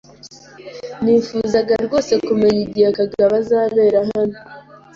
Nifuzaga rwose kumenya igihe Kagabo azabera hano.